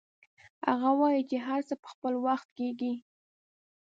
هغه وایي چې هر څه په خپل وخت کیږي